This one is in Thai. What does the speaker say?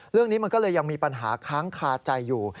เรื่องนี้มันก็เลยยังมีปัญหาค้างคาใจอยู่